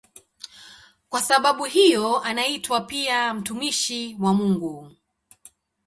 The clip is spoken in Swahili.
Kwa sababu hiyo anaitwa pia "mtumishi wa Mungu".